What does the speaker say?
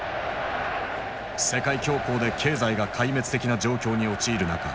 世界恐慌で経済が壊滅的な状況に陥る中